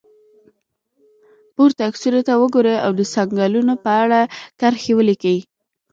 پورته عکسونو ته وګورئ او د څنګلونو په اړه کرښې ولیکئ.